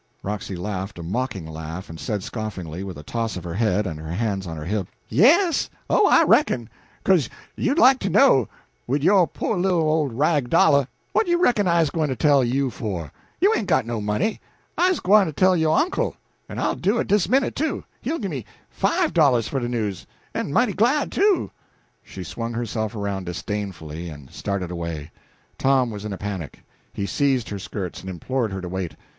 Roxy laughed a mocking laugh, and said scoffingly, with a toss of her head, and her hands on her hips "Yes! oh, I reckon! Co'se you'd like to know wid yo' po' little ole rag dollah. What you reckon I's gwine to tell you for? you ain't got no money. I's gwine to tell yo' uncle en I'll do it dis minute, too he'll gimme five dollahs for de news, en mighty glad, too." She swung herself around disdainfully, and started away. Tom was in a panic. He seized her skirts, and implored her to wait.